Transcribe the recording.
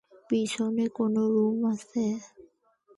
পিছনে কোন রুম আছে?